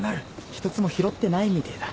一つも拾ってないみてえだ。